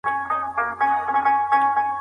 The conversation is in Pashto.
دا بدلونونه په تدريجي ډول په ټولنه کي ښکاري.